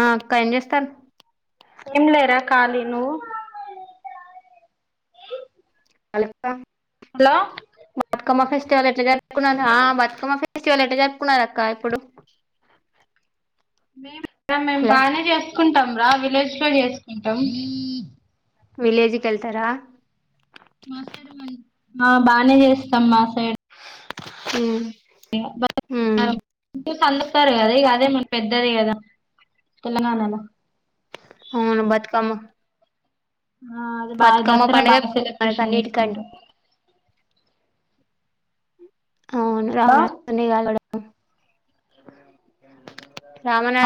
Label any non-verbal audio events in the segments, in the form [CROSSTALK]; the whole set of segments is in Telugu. ఆ అక్క ఏం చేస్తారు ఏం లేరా ఖాళీ నువ్వు అలక్క హలో కమ్మ ఫెస్ట్ ఎలా జరుపుకున్నారు ఆ బతుకమ్మ ఫె ఫెస్టివల్ ఎట్ట జరుపుకున్నారక్క ఇప్పుడు మేమ్ హలో బానే చేసుకుంటాం రా విలేజ్ లో చేసుకుంటాం విలేజ్కి ఎళ్తారా మా సైడ్ ఆ బానే చేస్తాం మా సైడ్ మ్మ్ ఇగ సందిస్తారు గదా ఇగ అదే మన పెద్ద గదే కదా తెలంగాణల ఆవును బతుకమ ఆ అది బాగా దసరా బాగా మనకు సెలబ్రేషన్ అన్నిటికంటే చెసుకుంటాం అవును రావ బా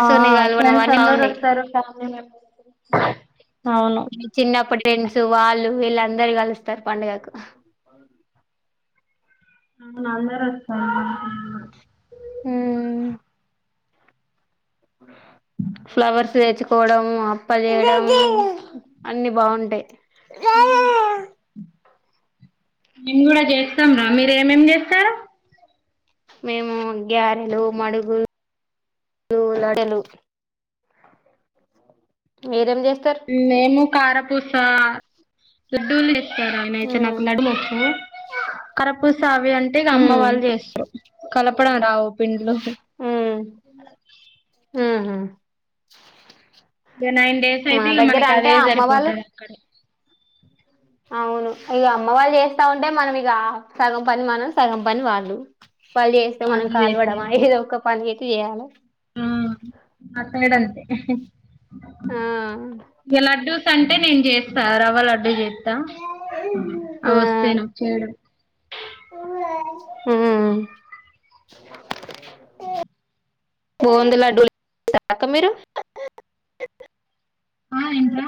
ఆ ఫ్రెండ్స్ అందరు వస్తారు ఫ్యామిలీ మెంబెర్సతో చిన్నప్పుడు ఫ్రెండ్స్ వాళ్ళు విలా అందరు కలుస్తారు పండగరోజు అందరు వస్తారా హ అప్పుడు ఫ్లవర్స్ తెచ్చుకోవడం అప్ప చేేయడం అన్ని బాగుంటాయి హ మేం కూడా చేస్తాం రా మీరు ఏమేం చేస్తారు మేము గ్యారెలు మడుగులులు డెలు వేరేం చేస్త మేము కారపూస లడ్డూలు ఉ ఆయనయితే నాకు నడుమ్మోచ్చు కరపూస అవి అంటే ఇక ఉ అమ్మ వాళ్ళు చేస్తారు కల కప్పుడ రావు పిండ్లు ఉహుమ్ ఇక నైన్ డేస్ అయితే ఇక మనకి అదే అమ్మ వాళ్ళు సరిపోతుది అక్కడ అవును ఇక అమ్మ వాళ్ళు చేస్తా ఉంటే మనం ఇక సగం పని మనం సగం పని వాళ్ళు పళ్ళు చేస్తే మనం వాళ్ళు కాల్వడమా చేస్తారు ఏదో ఒక పని అయితే చేయాలి మా సైడ్ అంతే ఆ లడ్డూస్ అంటే నేను చేస్తా రవ్వ లడ్డూ చేస్తా తా అవొస్తాయి నాకు చెయ్యడం ఉమ్ బోంది లడ్డూలు సాక మీరు ఆ ఏంట్రా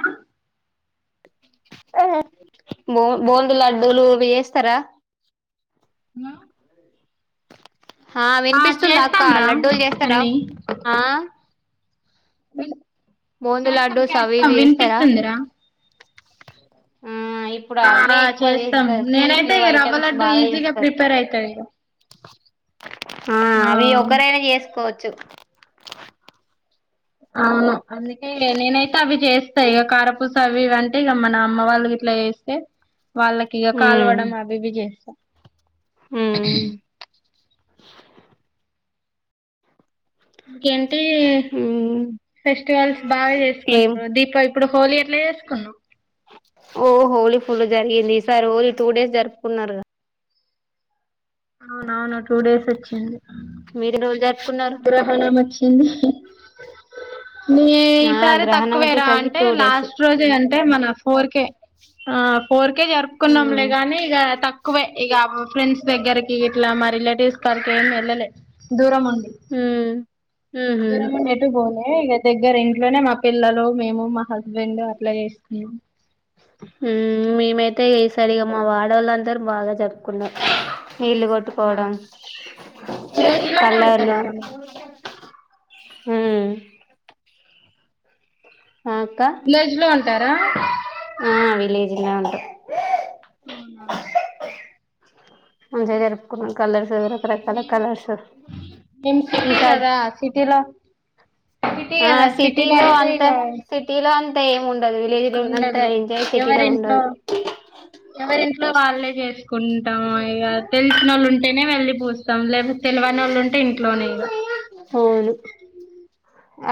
బూ బూందీ లడ్డలు వేస్తారా నా హ వినిపిస్తుందా అక్క చేస్తాం రా లడ్డూలు చేస్తారా అన్ని ఆ బూందీ చేస్తాం లడ్డూస్ అవి చేస్తాం ఇవి చేస్తారా వినిపిస్తుందిరా ఆ ఇప్పుడు ఆ అవే ఆ ఎక్కువ చేస్తాం చేస్తారు నేనైతే స్వీట్లు ఇక రవ్వ ఐటమ్స్ లడ్డు బాగా ఈజీగా చేస్తారు ప్రిపేర్ అవుతాడు ఇక ఆ అవి ఒకరైనా చేసుకోవచ్చు అవును అందుకే నేనైతే అవి చేస్తాయి ఇక కారపుస్త అవి అంటే ఇక మన అమ్మ వాళ్ళకి ఇట్లా వేస్తే వాళ్ళకి ఇక ఉమ్ కాలువడం అవి ఇవి చేస్తాం ఉమ్ ఇంకేంటి ఉమ్ ఫెస్టివల్స్ బాగ ఏం చేసుకుంటారు దీపా ఇప్పుడు హోలీ ఎట్లా చేసుకున్నాం ఓ హోలీ ఫుల్ జరిగింది ఈ సార్ ఓలీ టూ డేస్ జరుపుకున్నారు అవునవును టూ డేస్ వచ్చింది మీరు రోజ గ్రహ నమ్ వచ్చింది న ఆ ఈసారి గ్రహణం తక్కువేరా వచ్చేసరికి అంటే టూ డేస్ లాస్ట్ రోజు అంటే మన ఫోర్ కే ఆ ఫోర్ కేే జరుపుకున్నాంలే ఉమ్ గాని ఇక తక్కువే ఇక ఫ్రెండ్స్ దగ్గరకి ఇట్లా మా రిలేటివ్స్ కారికి ఏమి వెళ్ళలే దూరం ఉండి మ్ ఉహుమ్మ్ దూరం ఉండి ఎటు పోలే ఇక దగ్గర ఇంట్లోనే మా పిల్లలు మేము మా హస్బెండ్ అట్లా చేస్తున్నాం తే ఈ సారిగా ఇక మా వాడవాళ్ళ అందరూ బాగా జరుపుకున్నారు నీళ్లు కొట్టుకోవడం, విలేజ్ లోనే కల్లాలు. ఉంటారా మ్. విలేజ్ లో ఉంటారా? ఆ విలేజ్ లో ఉంటాం. అవునా! మంచిగ జరుపుకుందాం కలర్ రకరకాల కలర్స్ మేము ఈ సిటీ సారి. కదా సిటీలో సిటీ ఆ కదా సిటీలో అయితే అంతే సిటీలో అంత. ఉండరు సిటీలో ఎవరి ఇంట్లో ఉండదు ఎవరి వాళ్ళే చేసుకుంటాం, ఇగ తెలిసిన వాళ్ళు ఉంటేనే వెళ్ళి పో తాం. లేపోతే తెలివని వాళ్ళు ఉంటే ఇంట్లోనే ఇగ అవును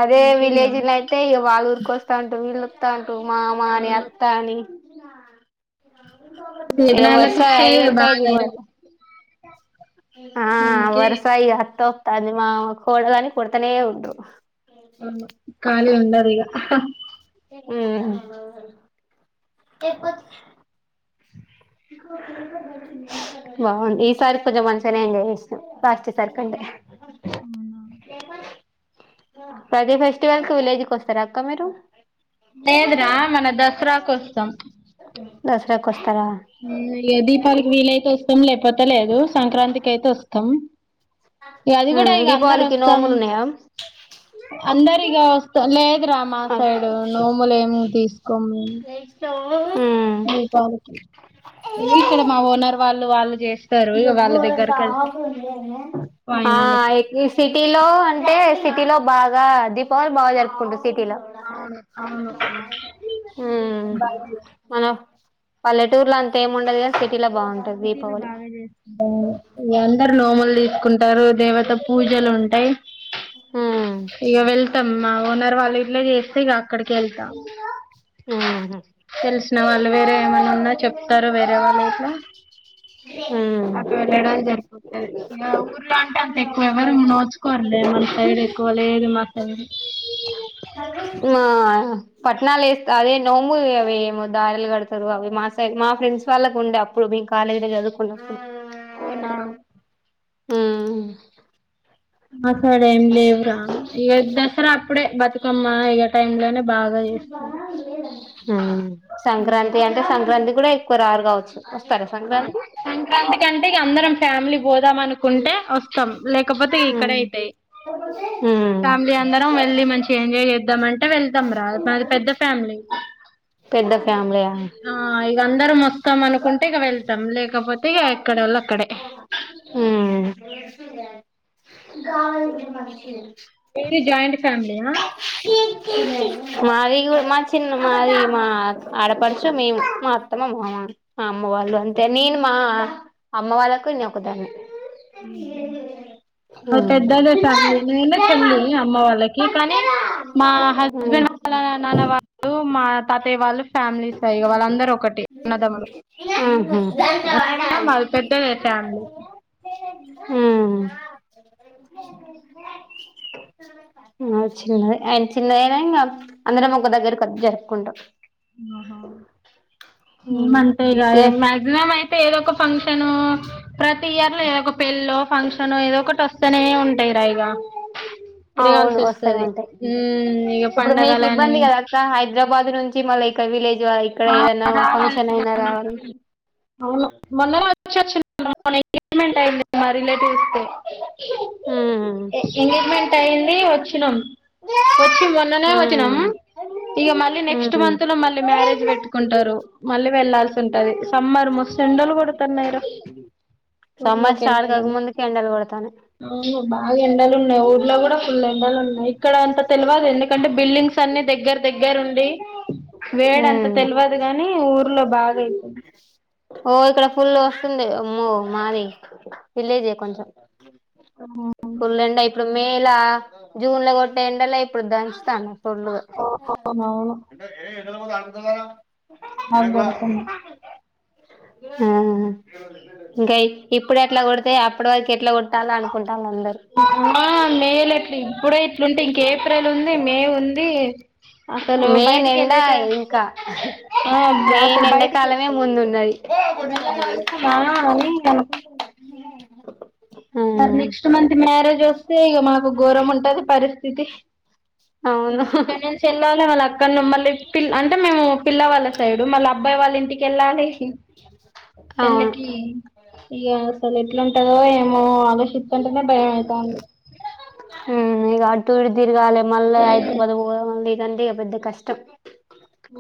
అదే అందుకే ఇగ విలేజ్లో అయితే ఇక వాళ్ళూ ఊరికే వస్తాంటారు వీళ్ళ అత్తాంటూ, మామాఅని, అవును అత్తాని. ఇద వేదనాల వర్స ఖర్చే ఐదు ఉంటాయిది బాగా ఇ వాత [UNINTELLIGIBLE] ఆ అందుకే వరుస అత్త అవతాదని మా కోడలని కొడతానే ఉంటరు. అవును కాలి ఉండరిగ. మ్ బాగుంది ఈసారి కొంచెం మంచిగనే అయ్యింది చేశాం ఫాస్ట్ అవునా? ప్రతి ఫెస్టివల్ కి విలేజ్కి వస్తారా అక్క మీరు. లేదురా మన దసరాకు వస్తాం. దసరా కొస్తా దీపాలకి వీలైతే వస్తాం లేకపోతే లేదు సంక్రాంతికి అయితే వస్తాం. ఇ అది కూడా ఇక అందరు దీపావళికి వస్తాం. నోములు ఉన్నాయా అందరిగా వస్తా లేదురా మా సైడు నోములు ఏమి తీసుకోము. నష్టో [UNINTELLIGIBLE] దీపాళికి ఇవి ఇక్కడ మా ఓనర్ వాళ్ళు వాళ్ళు చేస్త ఆ వాయినాలకి సిటీలో అంటే. టిలో బాగా దీపావళి బాగా జరుపుకుంటుంది. సిటీలో అవును అవును ఉమ్ బాగా చేస్తారు. మన పల్లెటూర్లో అంతా ఏము ఉండదు కానీ సిటీలో బాగుంటాది సిటీలో దీపావళి. బాగా అందరు నోములు తీసుకుంటారు. దేవత పూజలు ఉంటాయి. మ్. ఇగ వెళ్తామ్మా ఓనర్ వాళ్ళ ఇంట్లో చేస్తే ఇక అక్కడికి వెళ్తాం. మ్ హూ న వాళ్ళు వేరే ఏమైనా ఉన్నా చెప్తారు వేరే వాళ్ళు గిట్ల. ఉమ్ అక్కడ వెళ్ళ వెళ్ళడానికి జరిపోతాది ఊర్లో అంటే అంత ఎక్కువ ఎవరు నోచుకోర్లే మన సైడ్ కోలేదు మతం ఆ పట్టణాల్లో వేస్త అదే నోము అవి ఏమో దారలు కడతారు అవి మా మా ఫ్రెండ్స్ వాళ్ళకు ఉండే అప్పుడు మేము కాలేజీ లో చదువుకుననేటప్పుడు. అవునా. మ్ అక్కడేం లేవురా ఈ దసరా అప్పుడే బతుకమ్మ ఈ టైమ్ లోనే. బాగా చేస్తారు సంక్రాంతి అంటే సంక్రాంతి కూడా ఎక్కువ రారు కావచ్చు. వస్తారా సంక్రాంతికి సంక్రాంతికి అంటే అందరం ఫ్యామిలీ పోదాం అనుకుంటే వస్తాం లేకపోతే. అక్కడ అయితాయి. [INAUDIBLE] ఫ్యామిలీ అందరం వెళ్ళి మంచి ఎంజాయ్ చేద్దామంటే వెళ్తాం రా మాది పెద్ద ఫ్యామిలీ. పెద్ద ఫ్యామిలీయా ఆ ఇగ అందరం వస్తాం అనుకుంటే ఇక వెళ్తాం లేక హ్మ్ గ మషి మది జయిట్ ఫైమలీ మాది మా చిన్న మాది మా ఆడపడుచు మేము మా అత్తమమ్ అమ్ అమ్మ వాళ్ళు అంటే నేను మా అమ్మ వాళ్ళకు ఇ ఒకదాన్ని అ మా పెద్దదే ఫ్యామిలీ నేనే చల్లి అమ్మ వాళ్ళకి కానీ మా ఉమ్ హస్బెండ్ ఉమ్ నాన్న వాళ్ళు మా తాతయ వాళ్ళు ఫ్యామిలీస్ ఆ వాళ్ళందరరు ఒకటి అన్నదములు మల్పెద్ద ఫ్యామిలీ ఆ హు చిన్నది ఆయన చిన్నదయినా ఇంకా అందరం ఒక దగ్గర జరుపుకుంటాం ఉ ఏ అంతేగా ఏ మ్యాక్సిమం అయితే ఏదో ఒక ఫంక్షను ప్ర యర్ లో ఏదో ఒక పెళ్ళ ఫంక్షన్ ఏదో ఒకటి వస్తేనే ఉంటాయిరా ఇగా అవును తిరగాల్సి వస్తూనే వస్తుంది ఉంటాయి ఉ ఇక ఇప్పుడు మీకు పండగల అని ఇబ్బంది కదా అక్క హైదరాబాద్ నుంచి మళ్ళ ఇ విలేజ్ ఇక్కడ ఏదైనా ఫంక్షన్ అయినా రావాల అవును మొన్నమెంట్ అయిందిి చూస్తే ఉమ్ ఎంగేజ్మెంట్ అయింది వచ్చినాం వచ్చి మొన్ననే ఉమ్ వచ్చినము ఇక మళ్ళీ నెక్స్ట్ ఉమ్ మంత్ లో మళ్ళీ మ్యారేజ్ పెట్టుకుంటారు మళ్ళీ వెళ్లాాల్సి ఉంటంది సమ్మర్ ము తెెండలు కొడుతన్నాయిరా ఊర్లోక ఎలా ఇలా తను అవును బాగా ఎండలు ఉన్నాయి ఊర్లో కూడా ఫుల్ ఎండలు ఉన్నాయి ఇక్కడ అంత తెలియదు ఎందుకంటే బిల్డింగ్స్ అన్ని దగ్గర దగ్గర ఉండి వేడ అంత ఉమ్ తెలియదు కాగాని ఊర్లో బాగా అవుతుంది ఓ ఇక్కడ ఫుల్ వస్తుందిమ్మో మాది విలేజే కొంచెం ఫుల్ ఎం ఇప్పుడు మే లా జూన్ లో కొట్టే ఎండలో ఇప్పుడు దంచుస్తాను ఆ అవును అా ఆగబద్ కు అ ఆ ఇంకా ఇప్పుడు ఎట్లా కొడితే అప్పటి వరకు ఎట్లా కొట్టాల అనుకుంటు మేలుట్ ఇప్పుడే ఇట్లుంటే ఇంక ఏప్రిల్ ఉంది మే ఉంది అసలు మెయిన్ బయటికి ఎండ వెళ్ళ స ఇంకా ఆ మెయిన్ అత బయటికి ఎండాకాలమే ముందున్నది ఉ మరి నెక్స్ట్ మంత్ మ్యారేజ్ వస్తే ఇక మాకు ఘోరం ఉంటది పరిస్థితి అవును క చెల్ వాళ్ళ అక్కను మళ్ళీ పిల్ అంటే మేము పిల్లవాళ్ళ సైడు మళ్ళీ అబ్బాయి వాళ్ళ ఇంటికి వెళ్ళాలి అవును పెళ్ళకి ఇక అసలు ఎట్లాంటందో ఏమో షంటేనే భయం అవుతాంది డి తిరగాలి మళ్ళీ అయిదు పదు మళ్ళీ ఇదంటేక పెద్ద కష్టం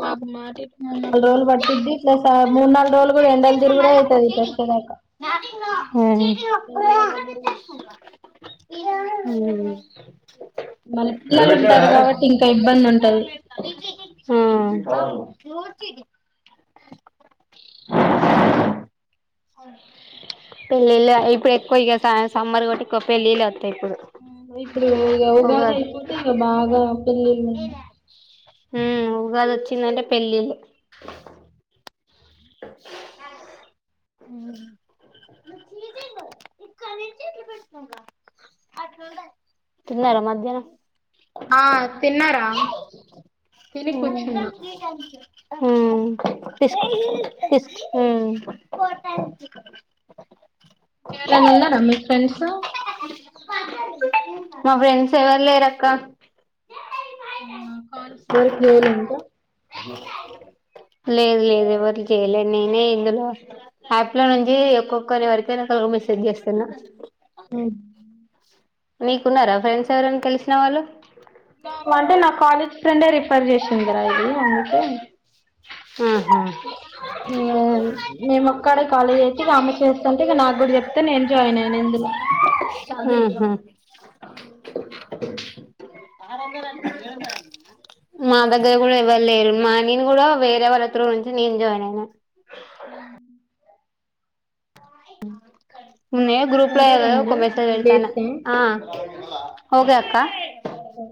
మ నాలుగు రోజులు పట్ద్ది ప్లస్ మూ నాలుగు రోజులు కూడా ఎండల్ తరు కూడా అవుతుది పల ఇందాక యూ అ ఉ మన పిల్లలు ఉంటారు కాబట్టి ఇంకా ఇబ్బంది ఉంటది అ పెళ్లిళ్ల డప్పుడెక్కువ టైమ్ సమ్మర్ కావట్టి పెళ్లిలే ఓత్తాయి ఇప్పుడు ఇప్పుడు ఉగాది అయిపోతే ఇగ బాగా పెళ్ళిళ్ళ హ ఉగాదిచ్చిందంటే పెళ్ళిలు [INAUDIBLE] తిన్నారా మధ్యాహ్నం ఆ తిన్నారా తిని కూర్చున్నా ఆ తీసుకు హ ఇ ఏరైనా ఉన్నారా మీక్ ఫ్రెండ్స్ మా ఫ్రెండ్స్ ఎవరు లేరక్క బారికే లేవలే ఇంకా లేదు లేదు ఎవరు లెవ్ లేదు నేనే ఇందులో యాప్ లో నుంచి ఒక్కొక్కరి వరకు జరంతా ఆగమి సెట్ జెస్తున్న నీకున్నారా ఫ్రెండ్స్ ఎవరైనా తెలిసినా వాళ్ళు అంటే నా కాలేజ్ ఫ్రెండే రిఫర్ చేసిందిరా ఇది అందుకే ఆహా మేము ఒక్కడే కాలేజ్ అయితే ఆమె చేస్తాంటే ఇగ నాకు కూడా చెప్తే నే జాయిన్ అయినా ఇందులో ఆరు అంద అనికి మా దగ్గర కూడా ఎవ్వరులేరు మా నేను కూడా వేరే వాళ్ళ త నుంచి నేను జాయిన్ అయినా అ హ ముందే గ్రూప్ సరేరా ల ఒక మరి మెసేజ్ మళ్ళీ వెతాను చేస్తా ఆ హే అక్క అఓ